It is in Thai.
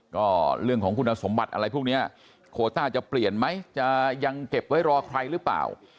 ก็เรื่องของคุณสมบัติอะไรพวกนี้โคต้าจะเปลี่ยนไหมจะยังเก็บไว้รอใครหรือเปล่า